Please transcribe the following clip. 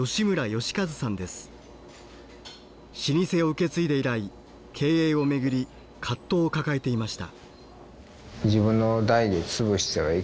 老舗を受け継いで以来経営を巡り葛藤を抱えていました。